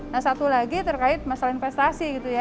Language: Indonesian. nah satu lagi terkait masalah investasi gitu ya